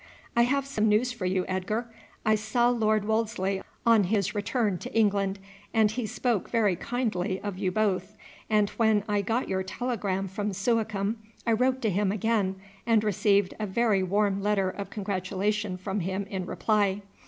"I have some news for you, Edgar. I saw Lord Wolseley on his return to England, and he spoke very kindly of you both, and when I got your telegram from Suakim I wrote to him again and received a very warm letter of congratulation from him in reply.